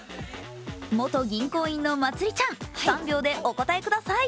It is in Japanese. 元銀行員のまつりちゃん、３秒でお答えください。